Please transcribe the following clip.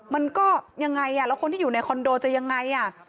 มันก็ยังไงแล้วคนที่อยู่ในคอนโดจะยังไง